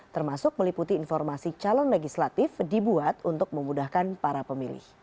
termasuk meliputi informasi calon legislatif dibuat untuk memudahkan para pemilih